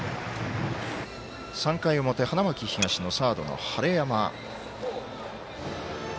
３回表、花巻東のサードの晴山。